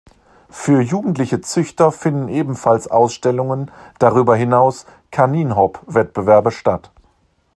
Für jugendliche Züchter finden ebenfalls Ausstellungen darüber hinaus Kaninhop-Wettbewerbe statt.